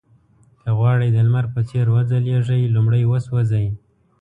که غواړئ د لمر په څېر وځلېږئ لومړی وسوځئ.